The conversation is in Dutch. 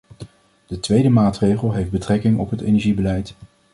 De tweede maatregel heeft betrekking op het energiebeleid.